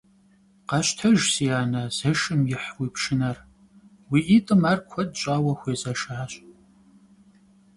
Къэщтэж, си анэ, зэшым ихь уи пшынэр, уи ӀитӀым ар куэд щӀауэ хуезэшащ.